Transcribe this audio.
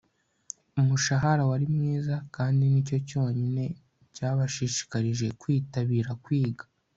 Umushahara wari mwiza kandi nicyo cyonyine cyabashishikarije kwitabira kwiga